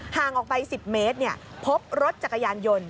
ห่างออกไป๑๐เมตรพบรถจักรยานยนต์